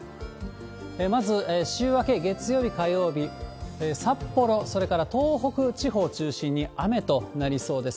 まず週明け月曜日、火曜日、札幌、それから東北地方を中心に雨となりそうです。